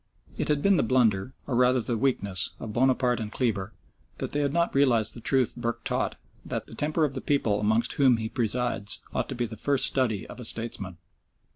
It had been the blunder, or rather the weakness, of Bonaparte and Kleber, that they had not realised the truth Burke taught, that "The temper of the people amongst whom he presides ought to be the first study of a statesman."